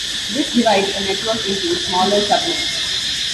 This divides a network into smaller subnets.